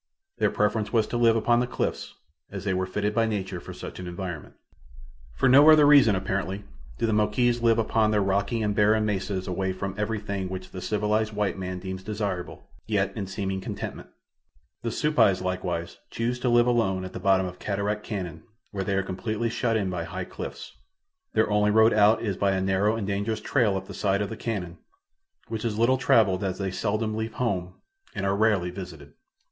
Their preference was to live upon the cliffs, as they were fitted by nature for such an environment. For no other reason, apparently, do the Moquis live upon their rocky and barren mesas away from everything which the civilized white man deems desirable, yet, in seeming contentment. The Supais, likewise, choose to live alone at the bottom of Cataract Canon where they are completely shut in by high cliffs. Their only road out is by a narrow and dangerous trail up the side of the canon, which is little traveled as they seldom leave home and are rarely visited.